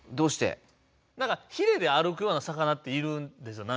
ヒレで歩くような魚っているんですよ。